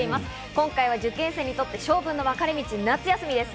今回は受験生にとって勝負のわかれ道、夏休みです。